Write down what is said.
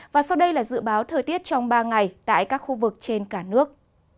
và sau đây là dự báo thời tiết trong ba ngày tại các khu vực trên cả nước